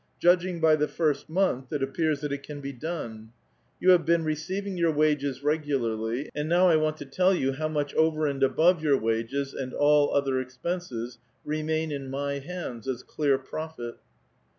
Judging by the first month, it appears that it can be done. You have been re ceiving your wages regularly, and now I want to tell you how much over and above your wages and all other expenses remain in my hands as clear profit."